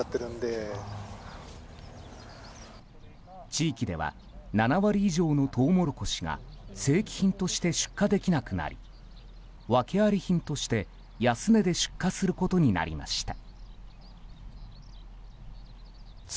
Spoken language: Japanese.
地域では７割以上のトウモロコシが正規品として出荷できなくなり訳あり品として、安値で出荷することになりました。